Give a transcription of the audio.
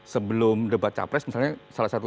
sebelum debat capres misalnya salah satu